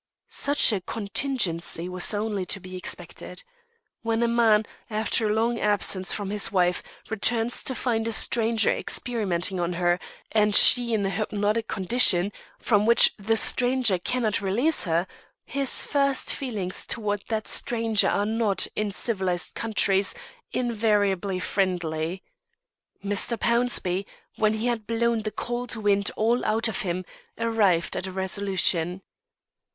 Such a contingency was only to be expected. When a man, after long absence from his wife, returns to find a stranger experimenting on her, and she in a "hypnotic" condition, from which the stranger cannot release her, his first feelings towards that stranger are not, in civilised countries, invariably friendly. Mr. Pownceby, when he had blown the "cold wind" all out of him, arrived at a resolution.